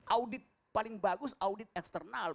audit paling bagus audit eksternal